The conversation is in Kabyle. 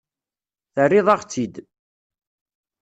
Terriḍ-aɣ-tt-id.